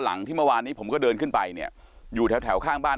ที่เมื่อวานนี้ผมก็เดินขึ้นไปเนี่ยอยู่แถวแถวข้างบ้าน